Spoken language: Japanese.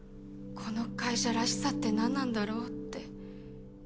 この会社らしさってなんなんだろう？って。